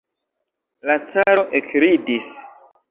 La caro ekridis.